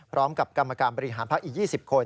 พร้อมกับกรรมการบริหารภักดิ์อีก๒๐คน